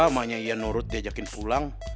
maknya iyan nurut diajakin pulang